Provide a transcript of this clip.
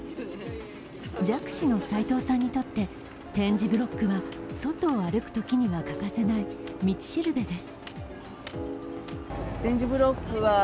弱視の齊藤さんにとっては、点字ブロックは外を歩くときには欠かせない道しるべです。